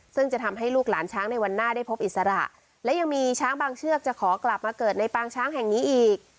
ซึ่งจะทำให้ลูกหลานช้างในวันหน้าได้พบอิสระและยังมีช้างบางเชือกจะขอกลับมาเกิดในปางช้างแห่งนี้อีก